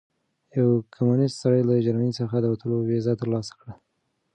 یو کمونیست سړي له جرمني څخه د وتلو ویزه ترلاسه کړه.